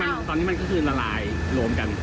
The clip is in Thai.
ตอนนี้มันก็คือละลายรวมกัน